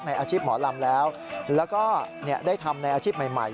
อาชีพหมอลำแล้วแล้วก็ได้ทำในอาชีพใหม่